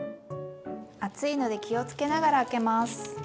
熱いので気をつけながら開けます。